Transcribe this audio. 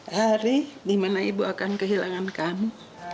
hari di mana ibu akan kehilangan kamu